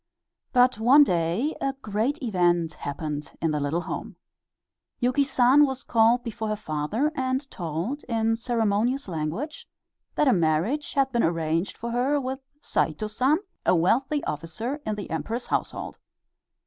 But one day a great event happened in the little home. Yuki San was called before her father and told, in ceremonious language, that a marriage had been arranged for her with Saito San, a wealthy officer in the Emperor's household.